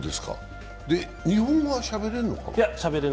日本語はしゃべれるのかな？